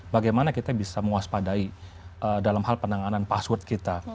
bagaimana kita bisa mewaspadai dalam hal penanganan password kita